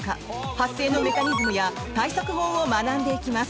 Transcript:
発生のメカニズムや対策法を学んでいきます。